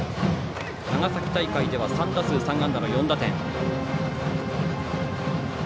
長崎大会では３打数３安打の４打点。